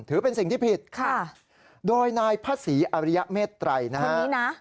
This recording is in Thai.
ถือเป็นสิ่งที่ผิดค่ะโดยนายพระศรีอริยเมตรัยนะฮะ